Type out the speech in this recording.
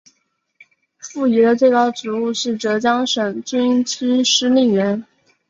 傅怡的最高职务是浙江省军区司令员。